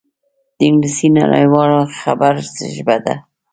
انګلیسي د نړيوال خبر ژبه ده